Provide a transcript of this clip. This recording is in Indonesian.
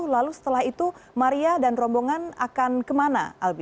lalu setelah itu maria dan rombongan akan kemana albi